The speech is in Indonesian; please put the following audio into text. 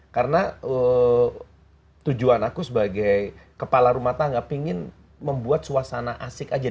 karena tujuan aku sebagai kepala rumah tangga pengen membuat suasana asik aja